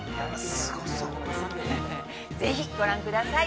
ぜひ、ご覧ください。